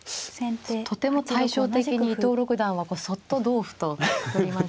とても対照的に伊藤六段はそっと同歩と取りました。